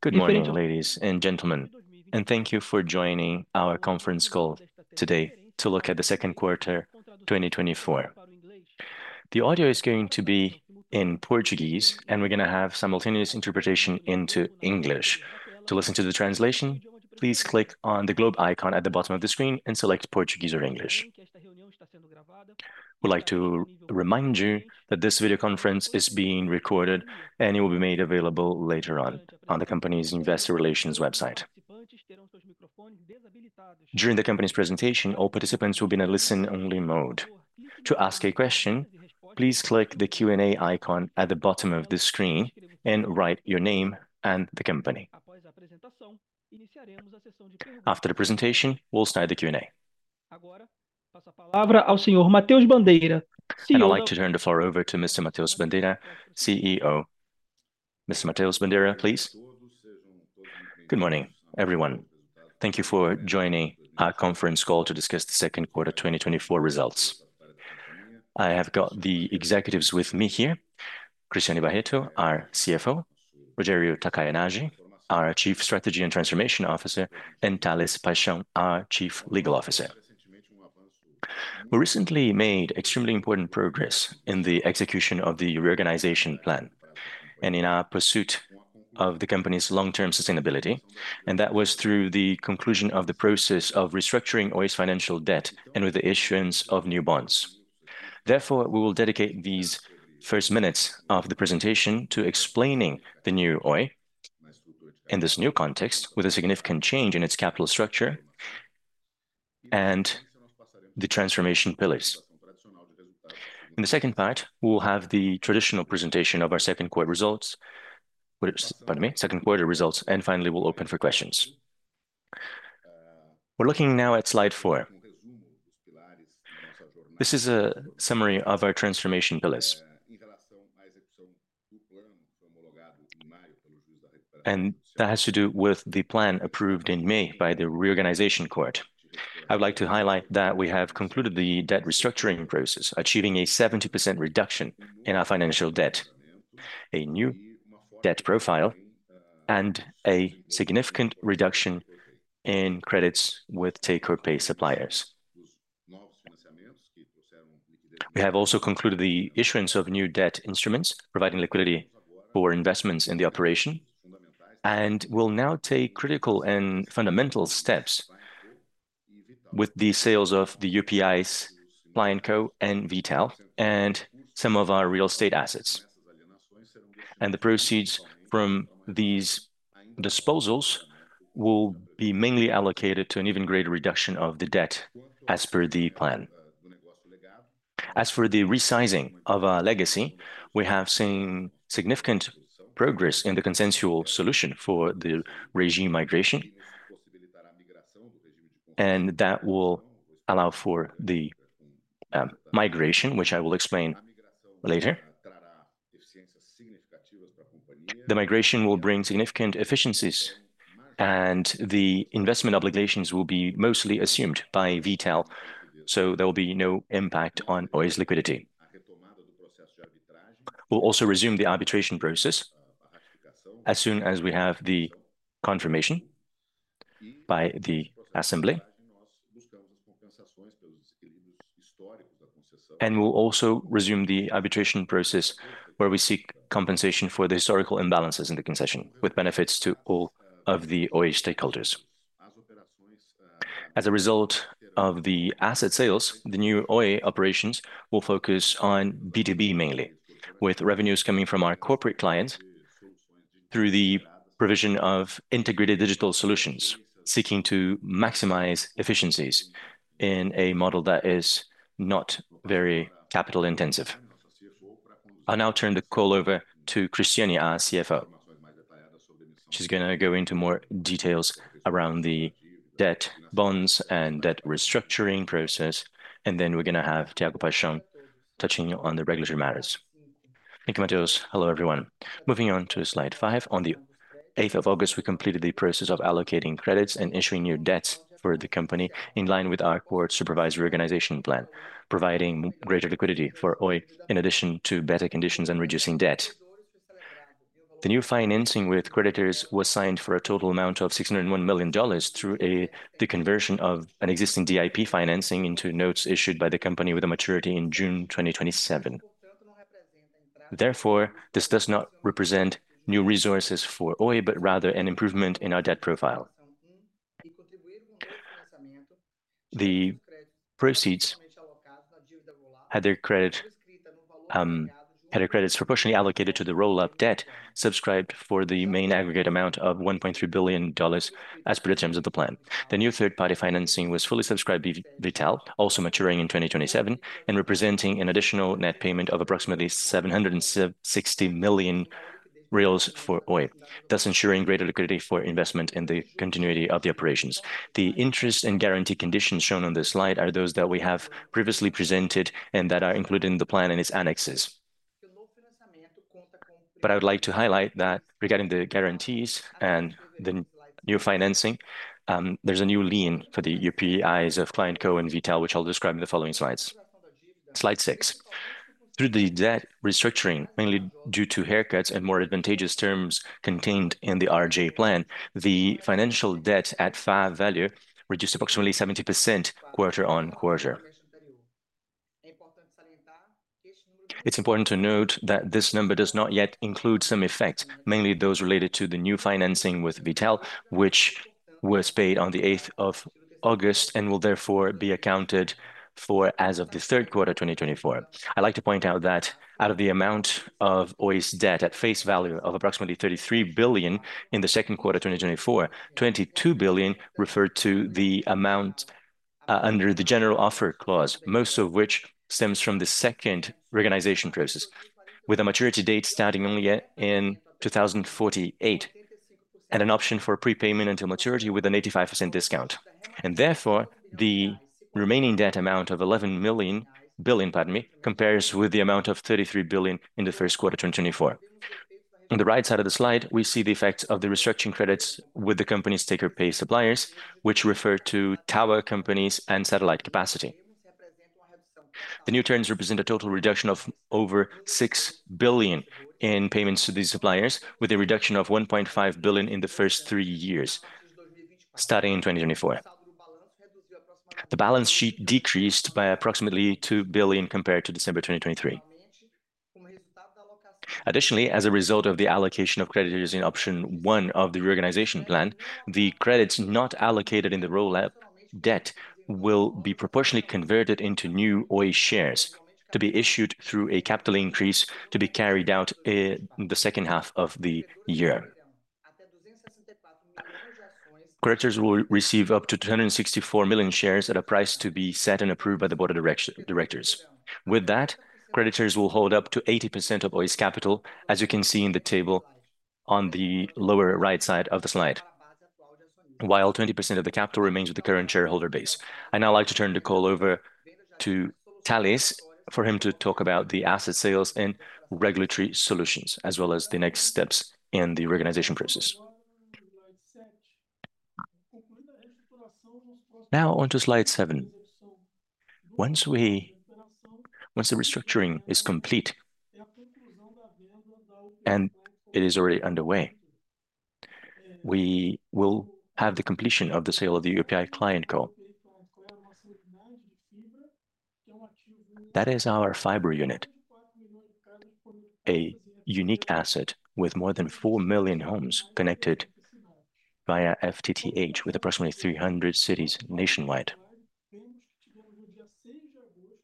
Good morning, ladies and gentlemen, and thank you for joining our conference call today to look at the second quarter 2024. The audio is going to be in Portuguese, and we're gonna have simultaneous interpretation into English. To listen to the translation, please click on the globe icon at the bottom of the screen and select Portuguese or English. We'd like to remind you that this video conference is being recorded, and it will be made available later on on the company's investor relations website. During the company's presentation, all participants will be in a listen-only mode. To ask a question, please click the Q&A icon at the bottom of the screen and write your name and the company. After the presentation, we'll start the Q&A. And I'd like to turn the floor over to Mr. Mateus Bandeira, CEO. Mr. Mateus Bandeira, please. Good morning, everyone. Thank you for joining our conference call to discuss the second quarter 2024 results. I have got the executives with me here, Cristiane Barreto, our CFO; Rogério Takayanagi, our Chief Strategy and Transformation Officer; and Thales Paixão, our Chief Legal Officer. We recently made extremely important progress in the execution of the reorganization plan and in our pursuit of the company's long-term sustainability, and that was through the conclusion of the process of restructuring Oi's financial debt and with the issuance of new bonds. Therefore, we will dedicate these first minutes of the presentation to explaining the new Oi in this new context, with a significant change in its capital structure and the transformation pillars. In the second part, we will have the traditional presentation of our second quarter results, which... Pardon me, second quarter results, and finally, we'll open for questions. We're looking now at slide 4. This is a summary of our transformation pillars. That has to do with the plan approved in May by the Reorganization Court. I'd like to highlight that we have concluded the debt restructuring process, achieving a 70% reduction in our financial debt, a new debt profile, and a significant reduction in credits with take-or-pay suppliers. We have also concluded the issuance of new debt instruments, providing liquidity for investments in the operation, and we'll now take critical and fundamental steps with the sales of the UPI ClientCo and V.tal and some of our real estate assets. The proceeds from these disposals will be mainly allocated to an even greater reduction of the debt as per the plan. As for the resizing of our legacy, we have seen significant progress in the consensual solution for the regime migration, and that will allow for the migration, which I will explain later. The migration will bring significant efficiencies, and the investment obligations will be mostly assumed by V.tal, so there will be no impact on Oi's liquidity. We'll also resume the arbitration process as soon as we have the confirmation by the assembly. And we'll also resume the arbitration process, where we seek compensation for the historical imbalances in the concession, with benefits to all of the Oi stakeholders. As a result of the asset sales, the new Oi operations will focus on B2B mainly, with revenues coming from our corporate clients through the provision of integrated digital solutions, seeking to maximize efficiencies in a model that is not very capital intensive. I'll now turn the call over to Cristiane, our CFO. She's gonna go into more details around the debt bonds and debt restructuring process, and then we're gonna have Thales Paixão touching on the regulatory matters. Thank you, Mateus. Hello, everyone. Moving on to slide five, on the eighth of August, we completed the process of allocating credits and issuing new debts for the company in line with our court-supervised reorganization plan, providing greater liquidity for Oi, in addition to better conditions and reducing debt. The new financing with creditors was signed for a total amount of BRL 601 million through the conversion of an existing DIP financing into notes issued by the company with a maturity in June 2027. Therefore, this does not represent new resources for Oi, but rather an improvement in our debt profile. The proceeds had their credit, had their credits proportionally allocated to the roll-up debt, subscribed for the main aggregate amount of BRL 1.3 billion as per the terms of the plan. The new third-party financing was fully subscribed by V.tal, also maturing in 2027 and representing an additional net payment of approximately 760 million reais for Oi, thus ensuring greater liquidity for investment in the continuity of the operations. The interest and guarantee conditions shown on this slide are those that we have previously presented and that are included in the plan and its annexes. But I would like to highlight that regarding the guarantees and the new financing, there's a new lien for the UPIs of ClientCo and V.tal, which I'll describe in the following slides. Slide six. Through the debt restructuring, mainly due to haircuts and more advantageous terms contained in the RJ Plan, the financial debt at face value reduced approximately 70% quarter-on-quarter. It's important to note that this number does not yet include some effects, mainly those related to the new financing with V.tal, which was paid on August 8, and will therefore be accounted for as of the third quarter, 2024. I'd like to point out that out of the amount of Oi's debt at face value of approximately 33 billion in the second quarter, 2024, 22 billion referred to the amount under the general offer clause, most of which stems from the second reorganization process, with a maturity date starting only yet in 2048, and an option for prepayment until maturity with an 85% discount. Therefore, the remaining debt amount of 11 billion, pardon me, compares with the amount of 33 billion in the first quarter, 2024. On the right side of the slide, we see the effects of the restructuring credits with the company's take-or-pay suppliers, which refer to tower companies and satellite capacity. The new terms represent a total reduction of over 6 billion in payments to these suppliers, with a reduction of 1.5 billion in the first three years, starting in 2024. The balance sheet decreased by approximately 2 billion compared to December 2023. Additionally, as a result of the allocation of creditors in option 1 of the reorganization plan, the credits not allocated in the roll-up debt will be proportionally converted into new Oi shares, to be issued through a capital increase to be carried out in the second half of the year. Creditors will receive up to 264 million shares at a price to be set and approved by the Board of Directors. With that, creditors will hold up to 80% of Oi's capital, as you can see in the table on the lower right side of the slide. While 20% of the capital remains with the current shareholder base. I'd now like to turn the call over to Thales, for him to talk about the asset sales and regulatory solutions, as well as the next steps in the reorganization process. Now, onto slide seven. Once the restructuring is complete, and it is already underway, we will have the completion of the sale of the UPI ClientCo. That is our fiber unit, a unique asset with more than 4 million homes connected via FTTH, with approximately 300 cities nationwide.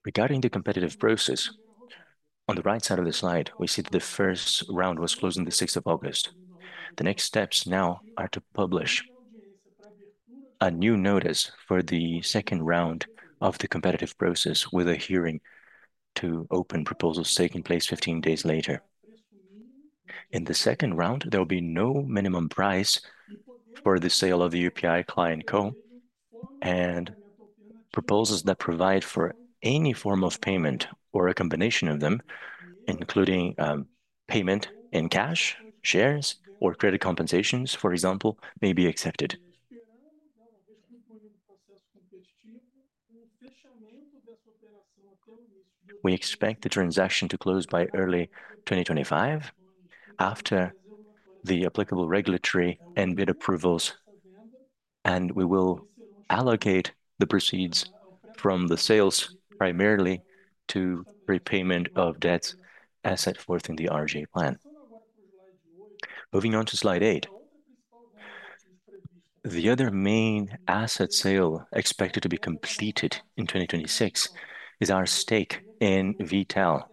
Regarding the competitive process, on the right side of the slide, we see that the first round was closed on the sixth of August. The next steps now are to publish a new notice for the second round of the competitive process, with a hearing to open proposals taking place 15 days later. In the second round, there will be no minimum price for the sale of the UPI ClientCo. Proposals that provide for any form of payment or a combination of them, including payment in cash, shares, or credit compensations, for example, may be accepted. We expect the transaction to close by early 2025, after the applicable regulatory and bid approvals, and we will allocate the proceeds from the sales primarily to repayment of debts as set forth in the RJ Plan. Moving on to slide 8. The other main asset sale expected to be completed in 2026 is our stake in V.tal.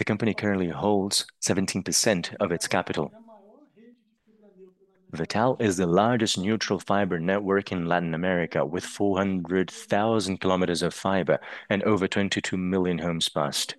The company currently holds 17% of its capital. V.tal is the largest neutral fiber network in Latin America, with 400,000 kilometers of fiber and over 22 million homes passed.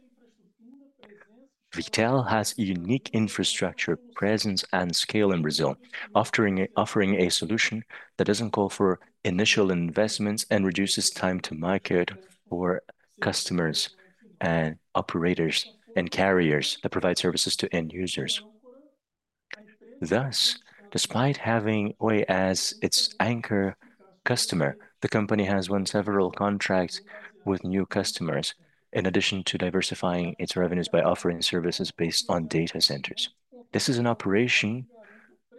V.tal has unique infrastructure, presence, and scale in Brazil, offering a solution that doesn't call for initial investments and reduces time to market for customers and operators and carriers that provide services to end users. Thus, despite having Oi as its anchor customer, the company has won several contracts with new customers, in addition to diversifying its revenues by offering services based on data centers. This is an operation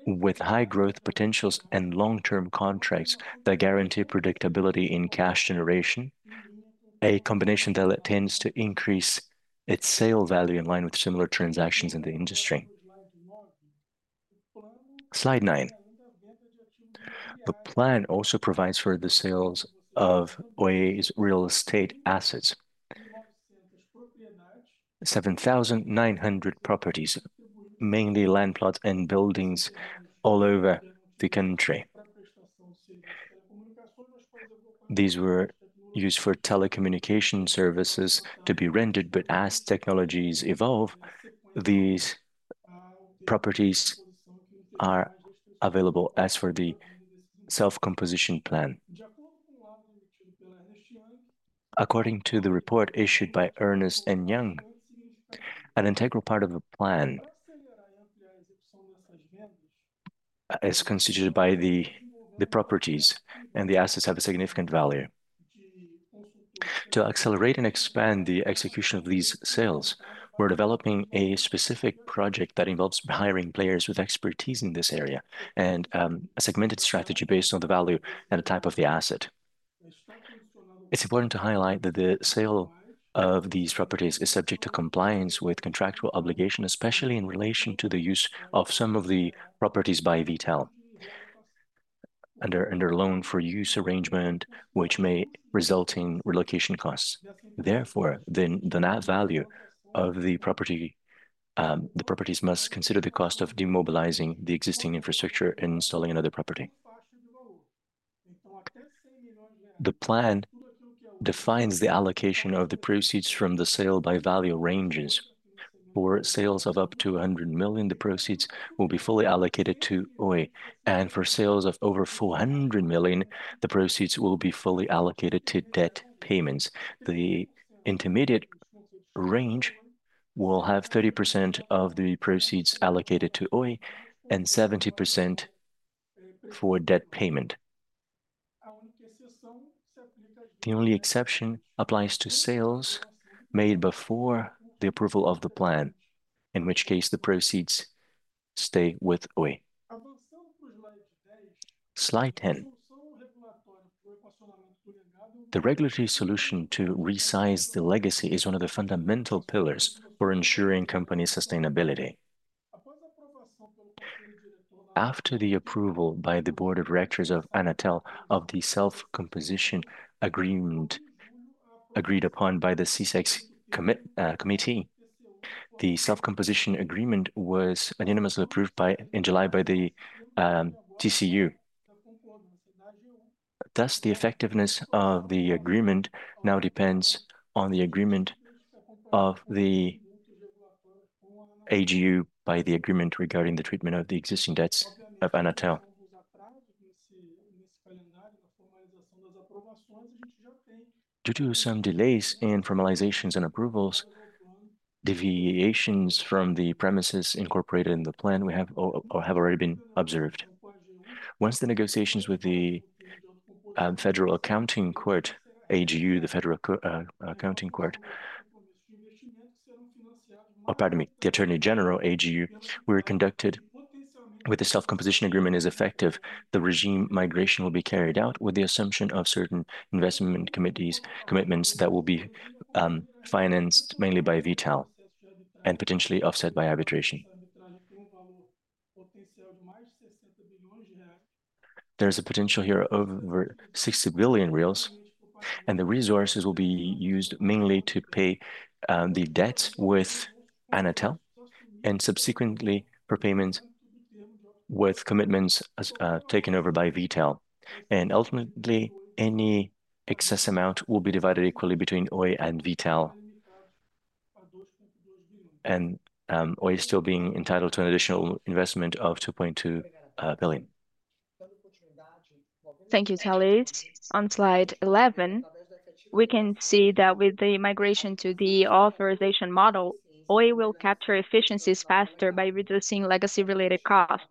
with high growth potentials and long-term contracts that guarantee predictability in cash generation, a combination that tends to increase its sale value in line with similar transactions in the industry. Slide nine. The plan also provides for the sales of Oi's real estate assets. 7,900 properties, mainly land plots and buildings all over the country. These were used for telecommunication services to be rendered, but as technologies evolve, these properties are available as for the self-composition plan. According to the report issued by Ernst & Young, an integral part of the plan as constituted by the properties and the assets have a significant value. To accelerate and expand the execution of these sales, we're developing a specific project that involves hiring players with expertise in this area, and a segmented strategy based on the value and the type of the asset. It's important to highlight that the sale of these properties is subject to compliance with contractual obligation, especially in relation to the use of some of the properties by V.tal, under loan for use arrangement, which may result in relocation costs. Therefore, the net value of the property, the properties must consider the cost of demobilizing the existing infrastructure and installing another property. The plan defines the allocation of the proceeds from the sale by value ranges. For sales of up to 100 million, the proceeds will be fully allocated to Oi. For sales of over 400 million, the proceeds will be fully allocated to debt payments. The intermediate range will have 30% of the proceeds allocated to Oi, and 70% for debt payment. The only exception applies to sales made before the approval of the plan, in which case the proceeds stay with Oi. Slide 10. The regulatory solution to resize the legacy is one of the fundamental pillars for ensuring company sustainability. After the approval by the board of directors of Anatel, of the self-composition agreement agreed upon by the Secex committee, the self-composition agreement was unanimously approved in July by the TCU. Thus, the effectiveness of the agreement now depends on the agreement of the AGU by the agreement regarding the treatment of the existing debts of Anatel. Due to some delays in formalizations and approvals, deviations from the premises incorporated in the plan, we have already been observed. Once the negotiations with the Federal Accounting Court, AGU, the Federal Accounting Court... Oh, pardon me. The Attorney General, AGU, were conducted with the self-composition agreement is effective, the regime migration will be carried out with the assumption of certain investment committees, commitments that will be financed mainly by V.tal and potentially offset by arbitration. There's a potential here over 60 billion, and the resources will be used mainly to pay the debts with Anatel, and subsequently, prepayments with commitments taken over by V.tal. Oi is still being entitled to an additional investment of 2.2 billion. Thank you, Thales. On Slide 11, we can see that with the migration to the authorization model, Oi will capture efficiencies faster by reducing legacy-related costs.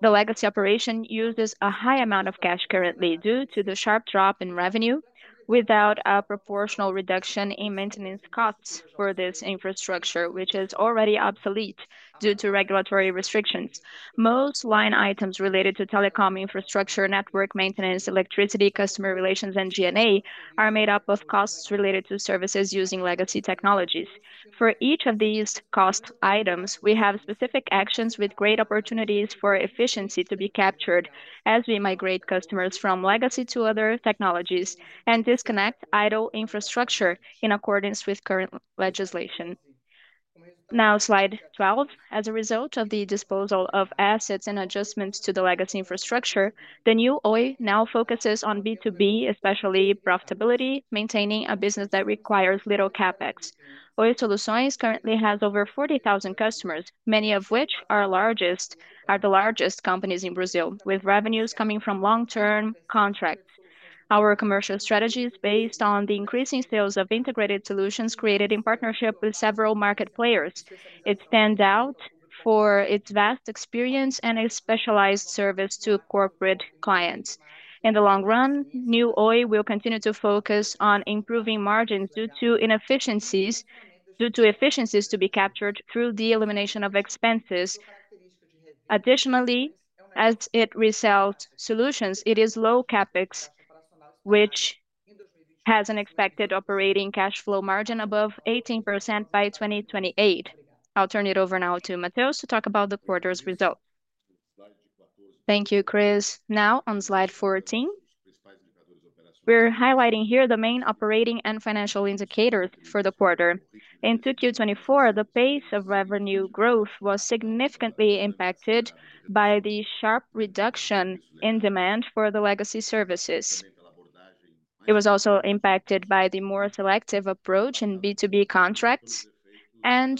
The legacy operation uses a high amount of cash currently, due to the sharp drop in revenue, without a proportional reduction in maintenance costs for this infrastructure, which is already obsolete due to regulatory restrictions. Most line items related to telecom infrastructure, network maintenance, electricity, customer relations, and G&A, are made up of costs related to services using legacy technologies. For each of these cost items, we have specific actions with great opportunities for efficiency to be captured, as we migrate customers from legacy to other technologies, and disconnect idle infrastructure in accordance with current legislation. Now, slide 12. As a result of the disposal of assets and adjustments to the legacy infrastructure, the new Oi now focuses on B2B, especially profitability, maintaining a business that requires little CapEx. Oi Soluções currently has over 40,000 customers, many of which are largest, are the largest companies in Brazil, with revenues coming from long-term contracts. Our commercial strategy is based on the increasing sales of integrated solutions created in partnership with several market players. It stands out for its vast experience and a specialized service to corporate clients. In the long run, new Oi will continue to focus on improving margins due to inefficiencies, due to efficiencies to be captured through the elimination of expenses. Additionally, as it resells solutions, it is low CapEx, which has an expected operating cash flow margin above 18% by 2028. I'll turn it over now to Mateus to talk about the quarter's results. Thank you, Chris. Now, on slide 14, we're highlighting here the main operating and financial indicators for the quarter. In 2Q24, the pace of revenue growth was significantly impacted by the sharp reduction in demand for the legacy services. It was also impacted by the more selective approach in B2B contracts, and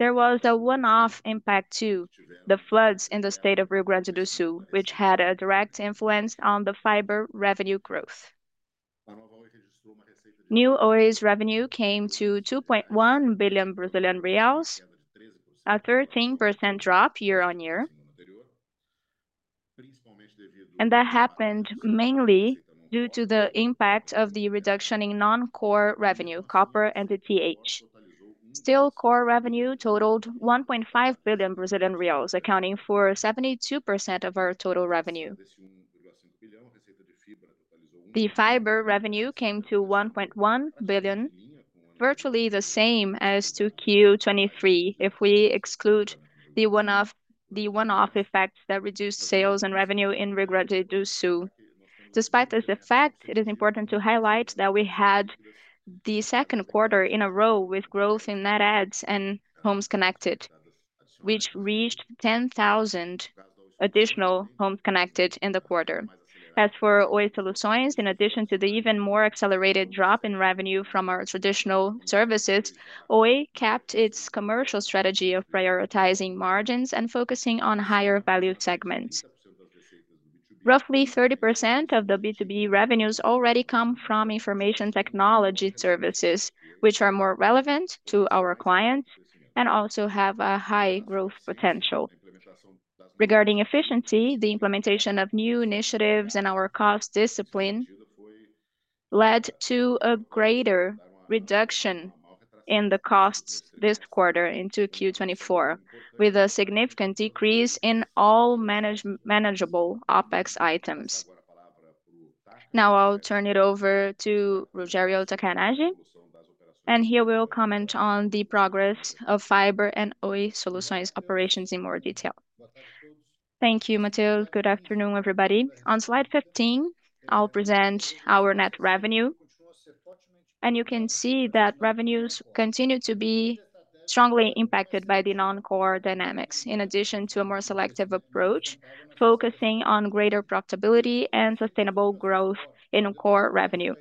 there was a one-off impact, too. The floods in the state of Rio Grande do Sul, which had a direct influence on the fiber revenue growth. Oi’s net revenue came to 2.1 billion Brazilian reais, a 13% drop year-on-year. And that happened mainly due to the impact of the reduction in non-core revenue, copper, and the DTH. Still, core revenue totaled 1.5 billion Brazilian reais, accounting for 72% of our total revenue. The fiber revenue came to 1.1 billion, virtually the same as to Q 2023, if we exclude the one-off, the one-off effects that reduced sales and revenue in Rio Grande do Sul. Despite this effect, it is important to highlight that we had the second quarter in a row with growth in net adds and homes connected, which reached 10,000 additional homes connected in the quarter. As for Oi Soluções, in addition to the even more accelerated drop in revenue from our traditional services, Oi kept its commercial strategy of prioritizing margins and focusing on higher value segments. Roughly 30% of the B2B revenues already come from information technology services, which are more relevant to our clients and also have a high growth potential. Regarding efficiency, the implementation of new initiatives and our cost discipline led to a greater reduction in the costs this quarter into Q 2024, with a significant decrease in all manageable OpEx items. Now I'll turn it over to Rogério Takayanagi, and he will comment on the progress of fiber and Oi Soluções operations in more detail. Thank you, Mateus. Good afternoon, everybody. On slide 15, I'll present our net revenue, and you can see that revenues continue to be strongly impacted by the non-core dynamics, in addition to a more selective approach, focusing on greater profitability and sustainable growth in core revenue.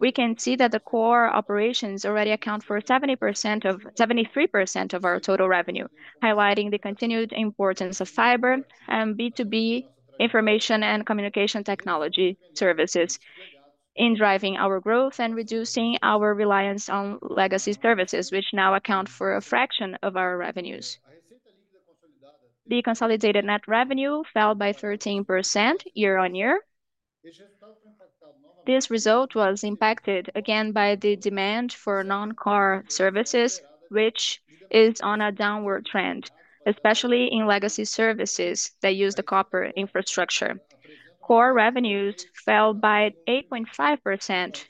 We can see that the core operations already account for 70% of 73% of our total revenue, highlighting the continued importance of fiber and B2B information and communication technology services in driving our growth and reducing our reliance on legacy services, which now account for a fraction of our revenues. The consolidated net revenue fell by 13% year-on-year. This result was impacted again by the demand for non-core services, which is on a downward trend, especially in legacy services that use the copper infrastructure. Core revenues fell by 8.5%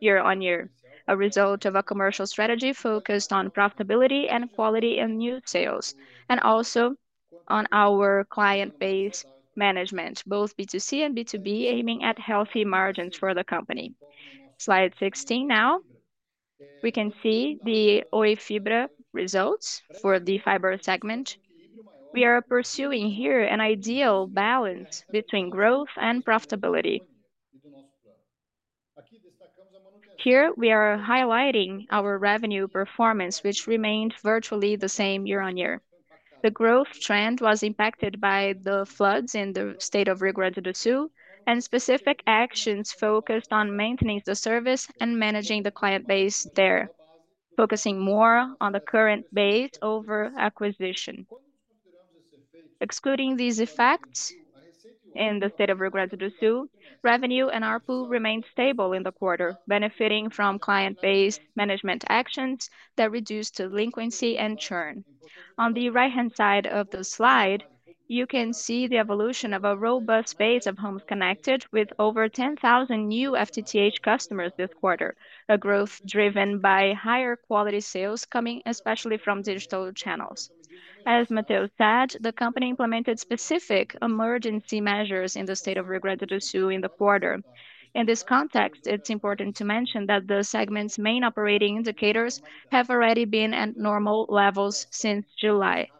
year-on-year, a result of a commercial strategy focused on profitability and quality in new sales, and also on our client base management, both B2C and B2B, aiming at healthy margins for the company. Slide 16 now. We can see the Oi Fibra results for the fiber segment. We are pursuing here an ideal balance between growth and profitability. Here, we are highlighting our revenue performance, which remained virtually the same year on year. The growth trend was impacted by the floods in the state of Rio Grande do Sul, and specific actions focused on maintaining the service and managing the client base there, focusing more on the current base over acquisition. Excluding these effects in the state of Rio Grande do Sul, revenue and ARPU remained stable in the quarter, benefiting from client-based management actions that reduced delinquency and churn. On the right-hand side of the slide, you can see the evolution of a robust base of homes connected with over 10,000 new FTTH customers this quarter, a growth driven by higher quality sales coming especially from digital channels. As Mateus said, the company implemented specific emergency measures in the state of Rio Grande do Sul in the quarter. In this context, it's important to mention that the segment's main operating indicators have already been at normal levels since July,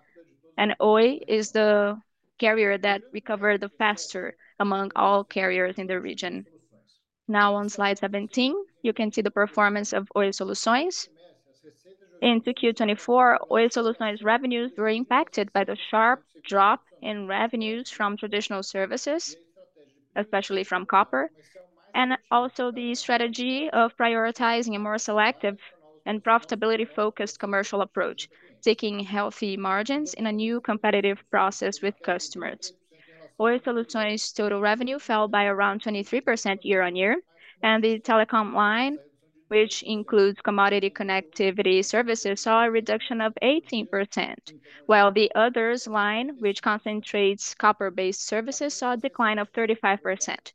and Oi is the carrier that recovered the faster among all carriers in the region. Now, on slide 17, you can see the performance of Oi Soluções. In Q2 2024, Oi Soluções revenues were impacted by the sharp drop in revenues from traditional services, especially from copper, and also the strategy of prioritizing a more selective and profitability-focused commercial approach, taking healthy margins in a new competitive process with customers. Oi Soluções' total revenue fell by around 23% year-on-year, and the telecom line, which includes commodity connectivity services, saw a reduction of 18%, while the others line, which concentrates copper-based services, saw a decline of 35%.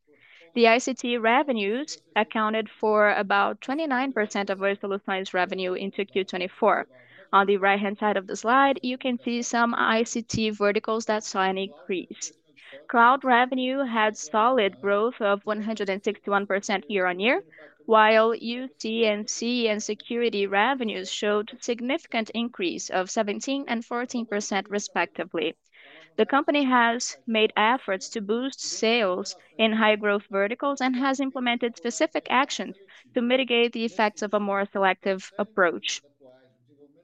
The ICT revenues accounted for about 29% of Oi Soluções' revenue in Q 2024. On the right-hand side of the slide, you can see some ICT verticals that saw an increase. Cloud revenue had solid growth of 161% year-on-year, while UC&C and security revenues showed significant increase of 17% and 14%, respectively. The company has made efforts to boost sales in high growth verticals and has implemented specific actions to mitigate the effects of a more selective approach....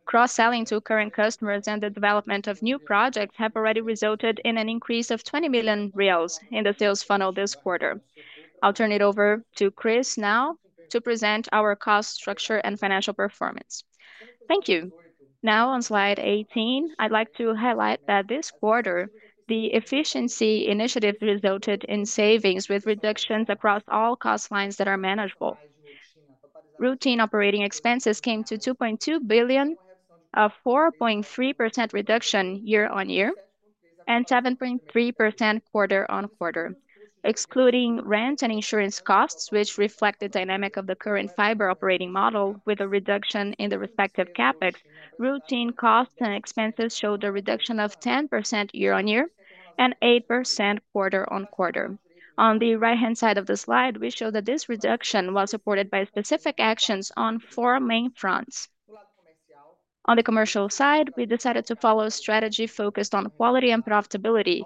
Cross-selling to current customers and the development of new projects have already resulted in an increase of 20 million reais in the sales funnel this quarter. I'll turn it over to Chris now to present our cost structure and financial performance. Thank you. Now, on Slide 18, I'd like to highlight that this quarter, the efficiency initiative resulted in savings, with reductions across all cost lines that are manageable. Routine operating expenses came to 2.2 billion, a 4.3% reduction year-on-year, and 7.3% quarter-on-quarter. Excluding rent and insurance costs, which reflect the dynamic of the current fiber operating model with a reduction in the respective CapEx, routine costs and expenses showed a reduction of 10% year-on-year and 8% quarter-on-quarter. On the right-hand side of the slide, we show that this reduction was supported by specific actions on four main fronts. On the commercial side, we decided to follow a strategy focused on quality and profitability,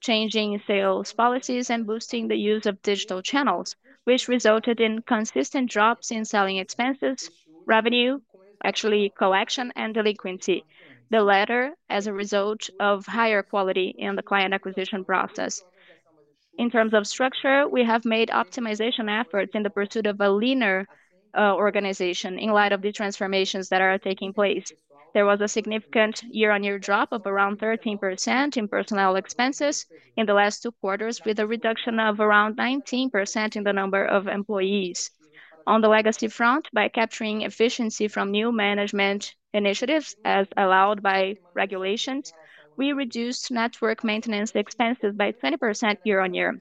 changing sales policies and boosting the use of digital channels, which resulted in consistent drops in selling expenses, revenue, actually collection and delinquency. The latter, as a result of higher quality in the client acquisition process. In terms of structure, we have made optimization efforts in the pursuit of a leaner organization in light of the transformations that are taking place. There was a significant year-on-year drop of around 13% in personnel expenses in the last two quarters, with a reduction of around 19% in the number of employees. On the legacy front, by capturing efficiency from new management initiatives, as allowed by regulations, we reduced network maintenance expenses by 20% year-on-year.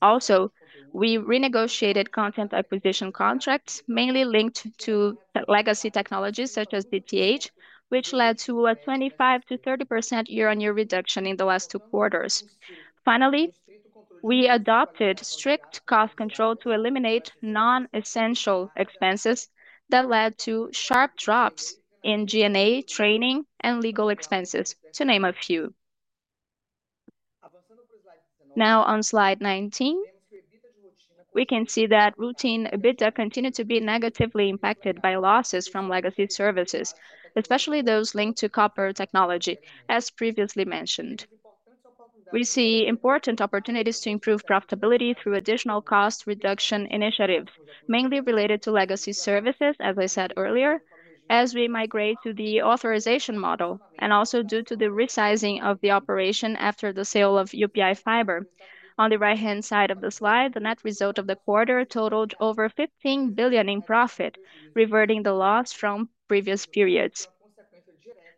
Also, we renegotiated content acquisition contracts, mainly linked to legacy technologies such as DTH, which led to a 25%-30% year-on-year reduction in the last two quarters. Finally, we adopted strict cost control to eliminate non-essential expenses that led to sharp drops in G&A training and legal expenses, to name a few. Now, on Slide 19, we can see that routine EBITDA continued to be negatively impacted by losses from legacy services, especially those linked to copper technology, as previously mentioned. We see important opportunities to improve profitability through additional cost reduction initiatives, mainly related to legacy services, as I said earlier, as we migrate to the authorization model, and also due to the resizing of the operation after the sale of UPI Fiber. On the right-hand side of the slide, the net result of the quarter totaled over 15 billion in profit, reverting the loss from previous periods.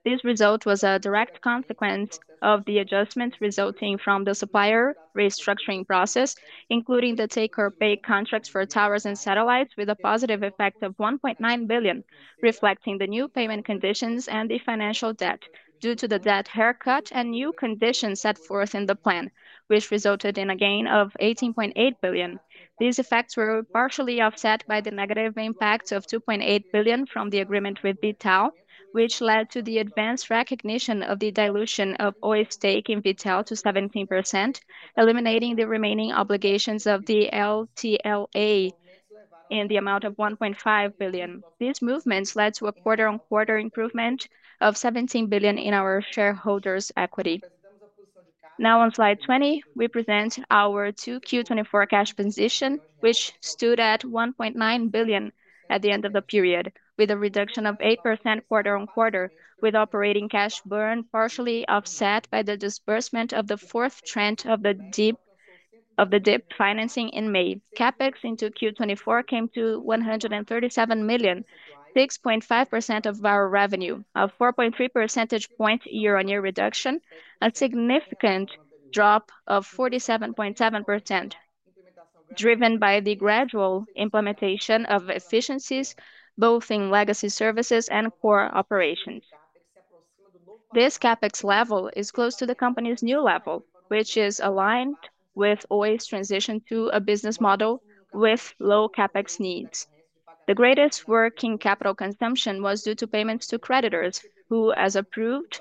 This result was a direct consequence of the adjustments resulting from the supplier restructuring process, including the take-or-pay contracts for towers and satellites, with a positive effect of 1.9 billion, reflecting the new payment conditions and the financial debt. Due to the debt haircut and new conditions set forth in the plan, which resulted in a gain of 18.8 billion. These effects were partially offset by the negative impact of 2.8 billion from the agreement with V.tal, which led to the advanced recognition of the dilution of Oi's stake in V.tal to 17%, eliminating the remaining obligations of the LTLA in the amount of 1.5 billion. These movements led to a quarter-on-quarter improvement of 17 billion in our shareholders' equity. Now, on Slide 20, we present our 2Q-2024 cash position, which stood at 1.9 billion at the end of the period, with a reduction of 8% quarter-on-quarter, with operating cash burn partially offset by the disbursement of the fourth tranche of the DIP, of the DIP financing in May. CapEx into Q4 came to 137 million, 6.5% of our revenue, a 4.3 percentage point year-on-year reduction, a significant drop of 47.7%, driven by the gradual implementation of efficiencies, both in legacy services and core operations. This CapEx level is close to the company's new level, which is aligned with Oi's transition to a business model with low CapEx needs. The greatest working capital consumption was due to payments to creditors, who, as approved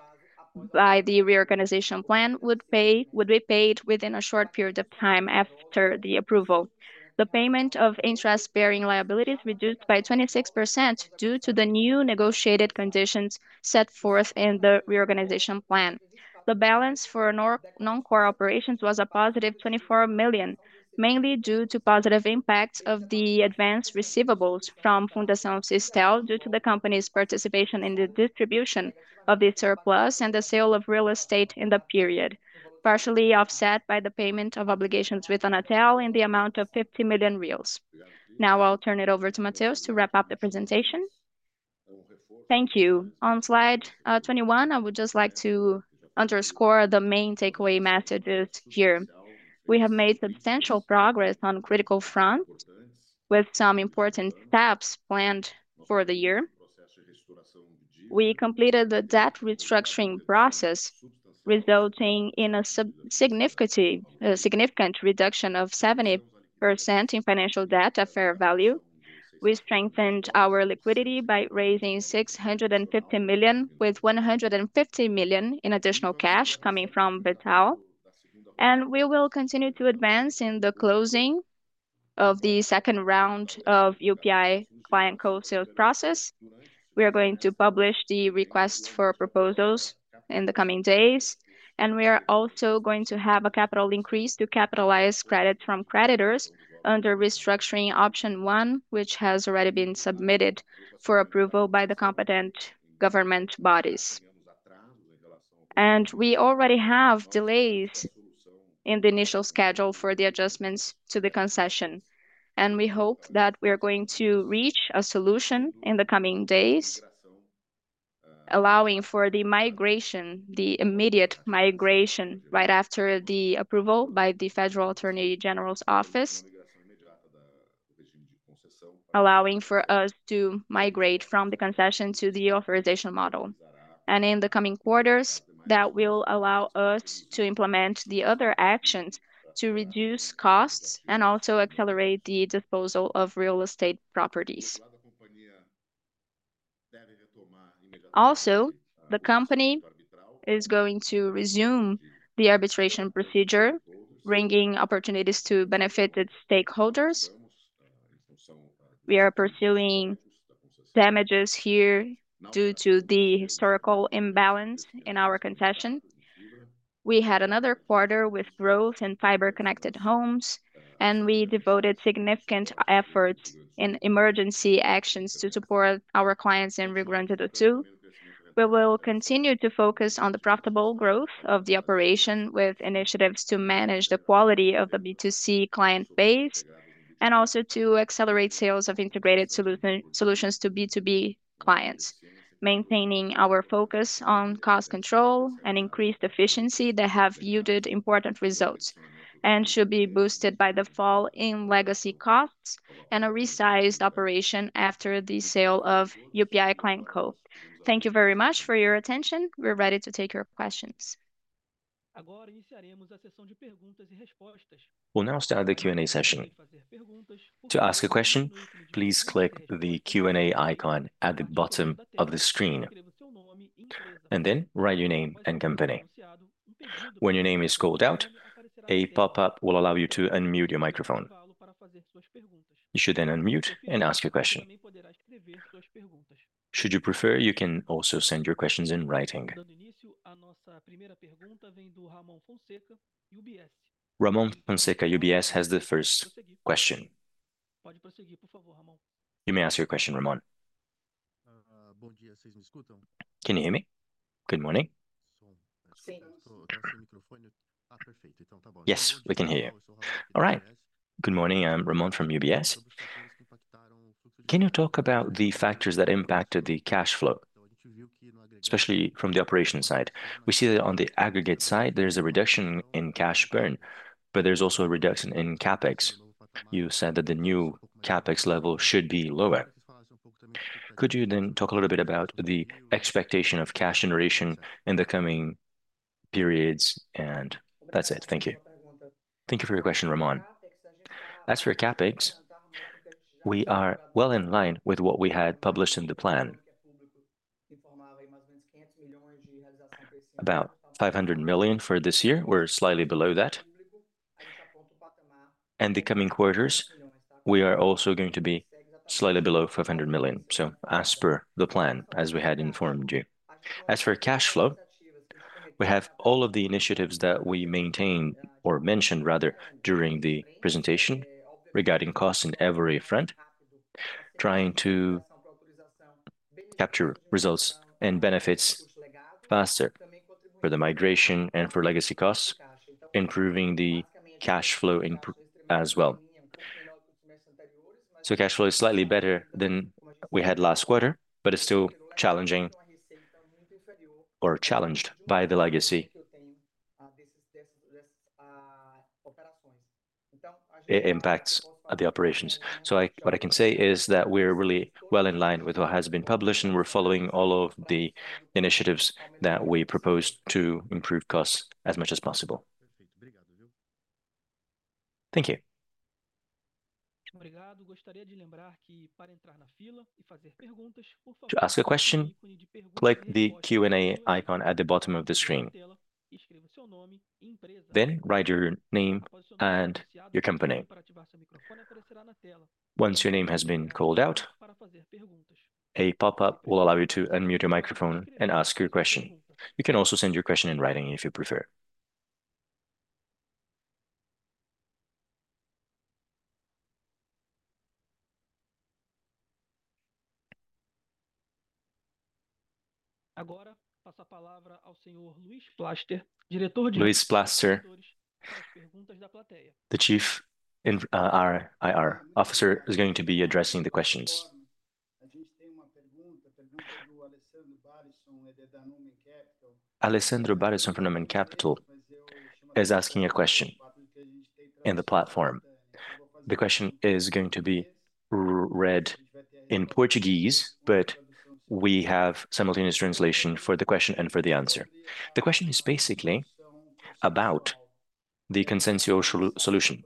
by the reorganization plan, would be paid within a short period of time after the approval. The payment of interest-bearing liabilities reduced by 26% due to the new negotiated conditions set forth in the reorganization plan. The balance for non-core operations was a positive 24 million, mainly due to positive impacts of the advanced receivables from Fundação Sistel, due to the company's participation in the distribution of the surplus and the sale of real estate in the period, partially offset by the payment of obligations with Anatel in the amount of 50 million reais. Now, I'll turn it over to Mateus to wrap up the presentation. Thank you. On Slide 21, I would just like to underscore the main takeaway messages here. We have made substantial progress on critical front, with some important steps planned for the year. We completed the debt restructuring process, resulting in a significantly, a significant reduction of 70% in financial debt at fair value. We strengthened our liquidity by raising 650 million, with 150 million in additional cash coming from V.tal.... We will continue to advance in the closing of the second round of UPI ClientCo sales process. We are going to publish the request for proposals in the coming days, and we are also going to have a capital increase to capitalize credit from creditors under restructuring option one, which has already been submitted for approval by the competent government bodies. We already have delays in the initial schedule for the adjustments to the concession, and we hope that we are going to reach a solution in the coming days, allowing for the migration, the immediate migration, right after the approval by the Federal Attorney General's Office, allowing for us to migrate from the concession to the authorization model. In the coming quarters, that will allow us to implement the other actions to reduce costs and also accelerate the disposal of real estate properties. Also, the company is going to resume the arbitration procedure, bringing opportunities to benefit its stakeholders. We are pursuing damages here due to the historical imbalance in our concession. We had another quarter with growth in fiber-connected homes, and we devoted significant effort in emergency actions to support our clients in Rio Grande do Sul. We will continue to focus on the profitable growth of the operation with initiatives to manage the quality of the B2C client base, and also to accelerate sales of integrated solution, solutions to B2B clients, maintaining our focus on cost control and increased efficiency that have yielded important results, and should be boosted by the fall in legacy costs and a resized operation after the sale of UPI ClientCo. Thank you very much for your attention. We're ready to take your questions. We'll now start the Q&A session. To ask a question, please click the Q&A icon at the bottom of the screen, and then write your name and company. When your name is called out, a pop-up will allow you to unmute your microphone. You should then unmute and ask your question. Should you prefer, you can also send your questions in writing. Ramon Fonseca, UBS, has the first question. You may ask your question, Ramon. Bom dia. Can you hear me? Good morning. Sim. Yes, we can hear you. All right. Good morning, I'm Ramon from UBS. Can you talk about the factors that impacted the cash flow, especially from the operation side? We see that on the aggregate side, there's a reduction in cash burn, but there's also a reduction in CapEx. You said that the new CapEx level should be lower. Could you then talk a little bit about the expectation of cash generation in the coming periods? And that's it. Thank you. Thank you for your question, Ramon. As for CapEx, we are well in line with what we had published in the plan. About 500 million for this year, we're slightly below that. In the coming quarters, we are also going to be slightly below 500 million, so as per the plan, as we had informed you. As for cash flow, we have all of the initiatives that we maintained, or mentioned rather, during the presentation regarding costs in every front, trying to capture results and benefits faster for the migration and for legacy costs, improving the cash flow improving as well. So cash flow is slightly better than we had last quarter, but it's still challenging or challenged by the legacy. It impacts the operations. So what I can say is that we're really well in line with what has been published, and we're following all of the initiatives that we proposed to improve costs as much as possible. Thank you. To ask a question, click the Q&A icon at the bottom of the screen, then write your name and your company. Once your name has been called out, a pop-up will allow you to unmute your microphone and ask your question. You can also send your question in writing, if you prefer. Luis Plaster, the chief IR officer, is going to be addressing the questions. Alessandro Barison from Nomos Capital is asking a question in the platform. The question is going to be read in Portuguese, but we have simultaneous translation for the question and for the answer. The question is basically about the consensus solution.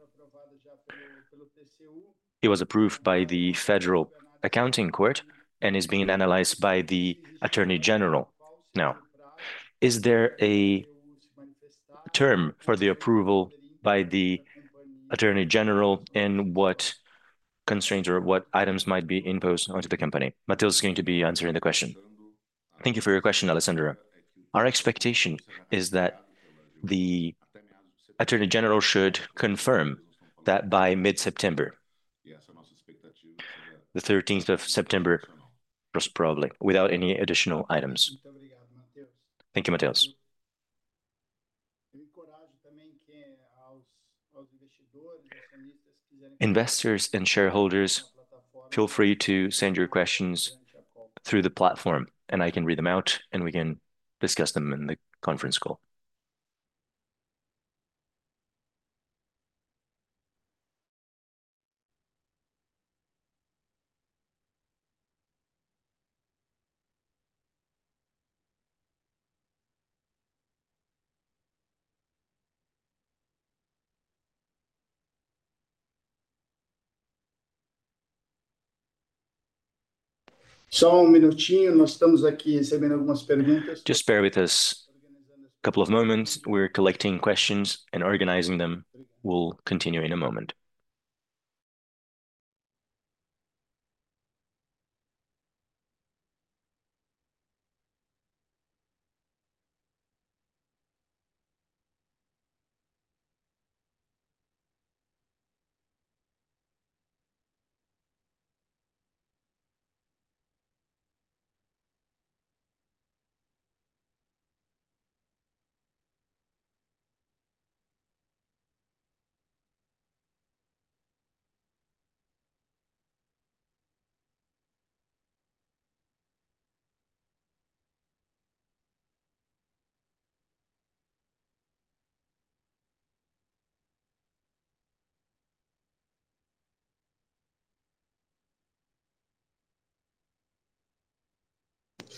It was approved by the Federal Accounting Court and is being analyzed by the Attorney General. Now, is there a term for the approval by the Attorney General, and what constraints or what items might be imposed onto the company? Mateus is going to be answering the question. Thank you for your question, Alessandro. Our expectation is that the Attorney General should confirm that by mid-September. The thirteenth of September, most probably, without any additional items. Thank you, Mateus. Investors and shareholders, feel free to send your questions through the platform, and I can read them out, and we can discuss them in the conference call. Just bear with us a couple of moments. We're collecting questions and organizing them. We'll continue in a moment.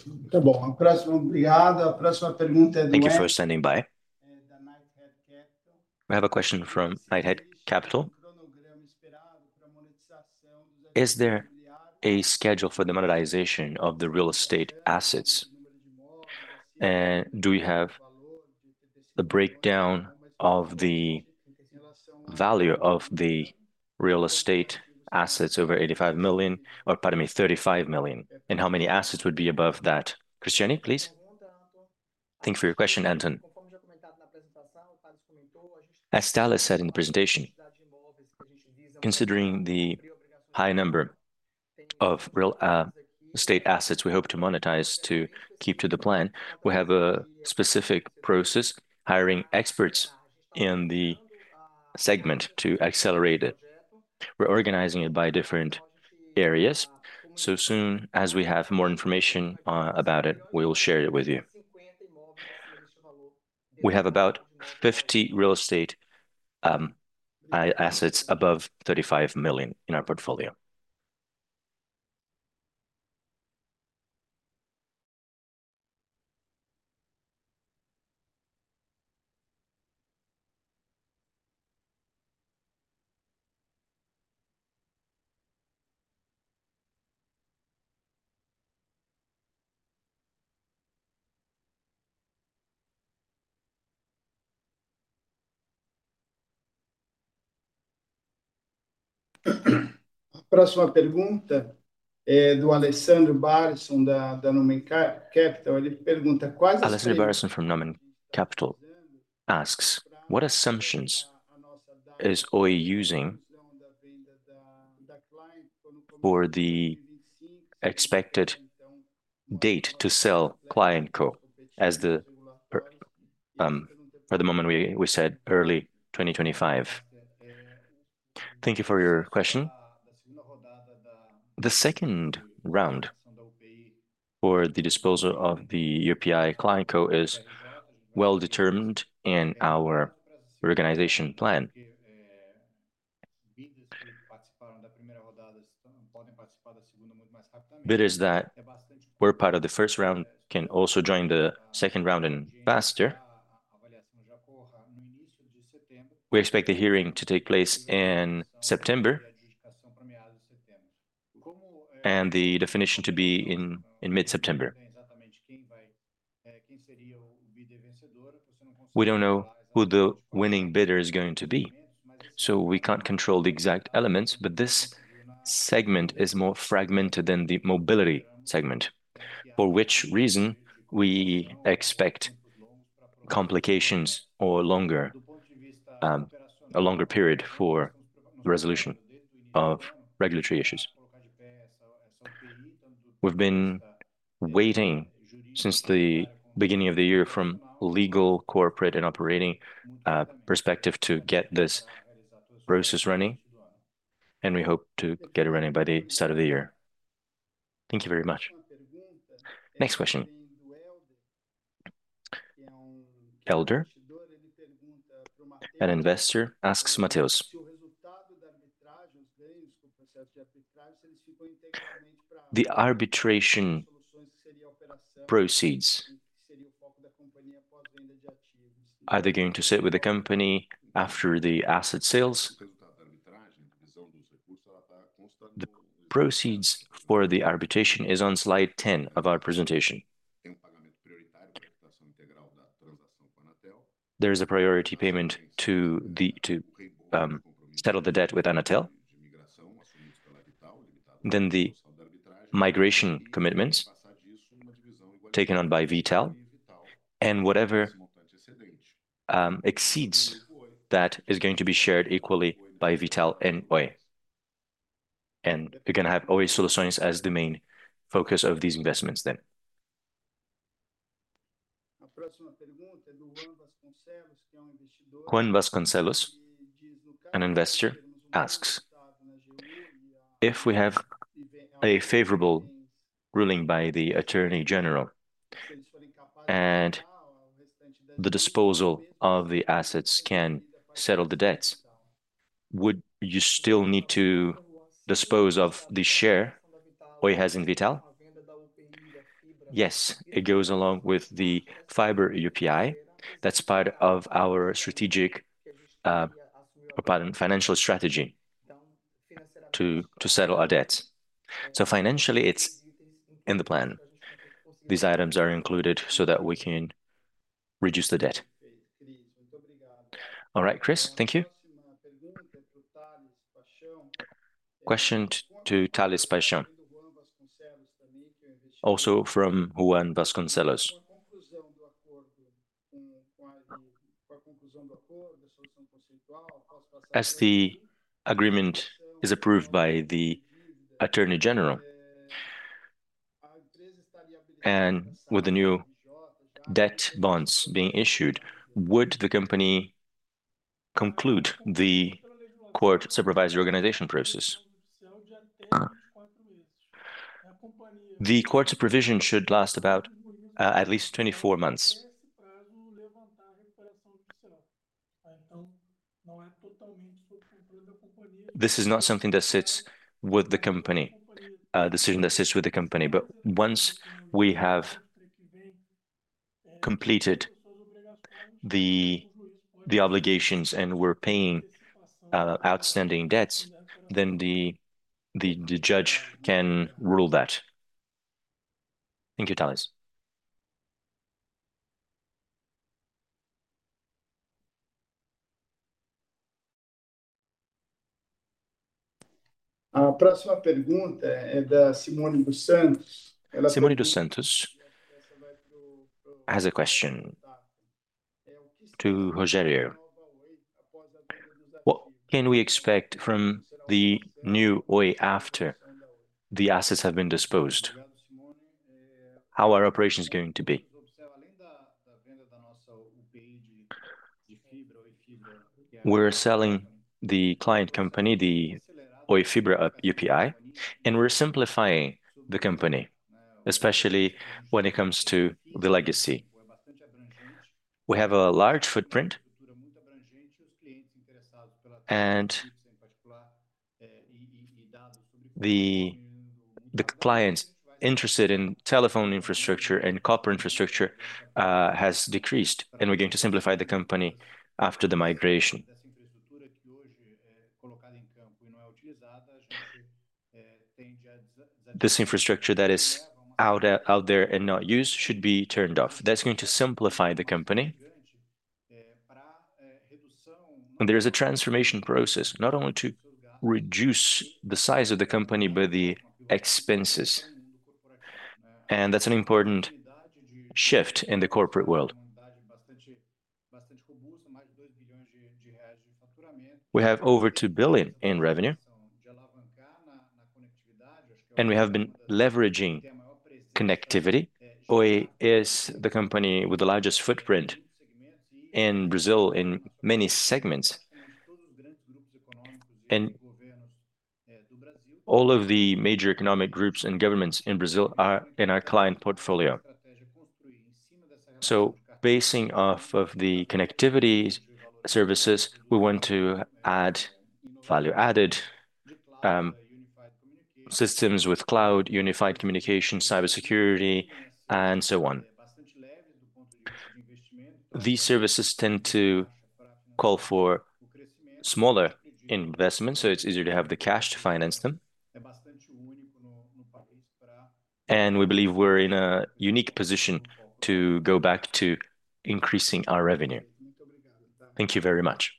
Thank you for standing by. We have a question from Knighthead Capital: Is there a schedule for the monetization of the real estate assets? And do you have the breakdown of the value of the real estate assets over 85 million, or pardon me, 35 million, and how many assets would be above that? Cristiane, please. Thank you for your question, Anton. As Thales said in the presentation, considering the high number of real estate assets we hope to monetize to keep to the plan, we have a specific process, hiring experts in the segment to accelerate it. We're organizing it by different areas, so soon as we have more information, about it, we will share it with you. We have about 50 real estate assets above 35 million in our portfolio. Alessandro Barison from Nomos Capital asks, "What assumptions is Oi using for the expected date to sell ClientCo?" At the moment, we said early 2025. Thank you for your question. The second round for the disposal of the UPI ClientCo is well determined in our organization plan. Bidders that were part of the first round can also join the second round and faster. We expect the hearing to take place in September, and the definition to be in mid-September. We don't know who the winning bidder is going to be, so we can't control the exact elements, but this segment is more fragmented than the mobility segment, for which reason we expect complications or longer, a longer period for the resolution of regulatory issues. We've been waiting since the beginning of the year from legal, corporate, and operating perspective to get this process running, and we hope to get it running by the start of the year. Thank you very much. Next question. Elder, an investor, asks Mateus, "The arbitration proceeds-... either going to sit with the company after the asset sales. The proceeds for the arbitration is on slide 10 of our presentation. There is a priority payment to the, to, settle the debt with Anatel, then the migration commitments taken on by V.tal. Whatever exceeds that is going to be shared equally by V.tal and Oi. You're gonna have Oi Soluções as the main focus of these investments then. Juan Vasconcelos, an investor, asks, "If we have a favorable ruling by the Attorney General, and the disposal of the assets can settle the debts, would you still need to dispose of the share Oi has in V.tal?" Yes, it goes along with the fiber UPI. That's part of our strategic, pardon, financial strategy to settle our debts. So financially, it's in the plan. These items are included so that we can reduce the debt. All right, Chris, thank you. Question to Thales Paixão, also from Juan Vasconcelos: "As the agreement is approved by the Attorney General, and with the new debt bonds being issued, would the company conclude the court supervisory organization process?" The court supervision should last about at least 24 months. This is not something that sits with the company, a decision that sits with the company. But once we have completed the obligations and we're paying outstanding debts, then the judge can rule that. Thank you, Thales. Simone dos Santos has a question to Rogério. "What can we expect from the new Oi after the assets have been disposed? How are operations going to be?" We're selling the client company, the Oi Fibra UPI, and we're simplifying the company, especially when it comes to the legacy. We have a large footprint, and the clients interested in telephone infrastructure and copper infrastructure has decreased, and we're going to simplify the company after the migration. This infrastructure that is out there and not used should be turned off. That's going to simplify the company. There is a transformation process, not only to reduce the size of the company, but the expenses, and that's an important shift in the corporate world. We have over 2 billion in revenue, and we have been leveraging connectivity. Oi is the company with the largest footprint in Brazil in many segments. All of the major economic groups and governments in Brazil are in our client portfolio. Basing off of the connectivity services, we want to add value-added systems with cloud, unified communication, cybersecurity, and so on. These services tend to call for smaller investments, so it's easier to have the cash to finance them. We believe we're in a unique position to go back to increasing our revenue. Thank you very much.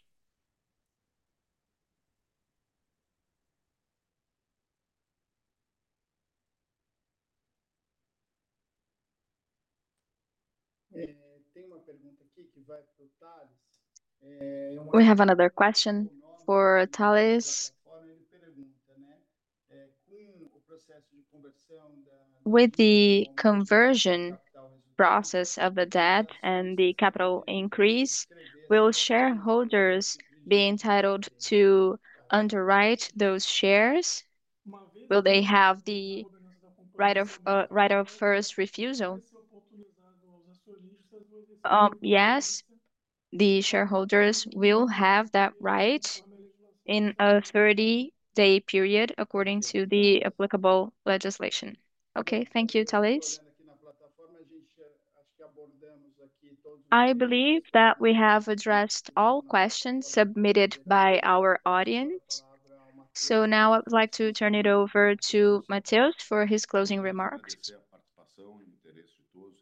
We have another question for Thales: "With the conversion process of the debt and the capital increase, will shareholders be entitled to underwrite those shares? Will they have the right of, right of first refusal?" Yes, the shareholders will have that right in a 30-day period, according to the applicable legislation. Okay, thank you, Thales. I believe that we have addressed all questions submitted by our audience, so now I would like to turn it over to Mateus for his closing remarks.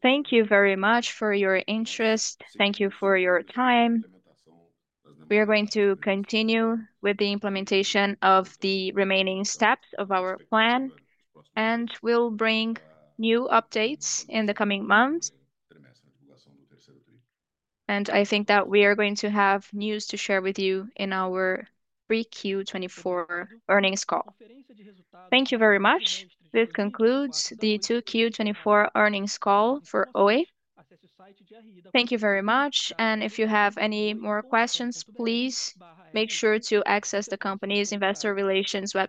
Thank you very much for your interest. Thank you for your time. We are going to continue with the implementation of the remaining steps of our plan, and we'll bring new updates in the coming months. I think that we are going to have news to share with you in our 3Q 2024 earnings call. Thank you very much. This concludes the 2Q '24 earnings call for Oi. Thank you very much, and if you have any more questions, please make sure to access the company's investor relations website.